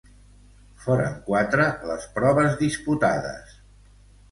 Foren quatre les proves disputades.